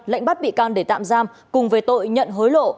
lệnh bắt bị can để tạm giam cùng về tội nhận hối lộ